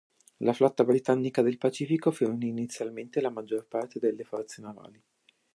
La Flotta britannica del Pacifico fornì inizialmente la maggior parte delle forze navali.